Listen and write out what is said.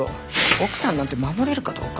奥さんなんて守れるかどうか。